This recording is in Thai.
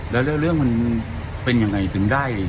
แล้วเรื่องมันเป็นยังไงถึงได้